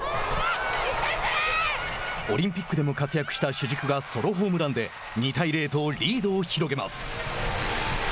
オリンピックでも活躍した主軸がソロホームランで２対０とリードを広げます。